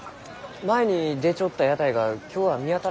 前に出ちょった屋台が今日は見当たらんがです